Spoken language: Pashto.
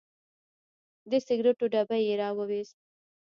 د سګریټو ډبی یې راوویست.